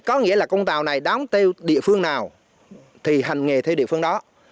có nghĩa là con tàu này đáng theo địa phương nào thì hành nghề theo địa phương đó